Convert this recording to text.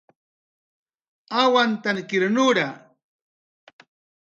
awantankir nura